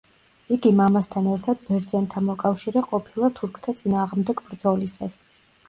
იგი მამასთან ერთად ბერძენთა მოკავშირე ყოფილა თურქთა წინააღმდეგ ბრძოლისას.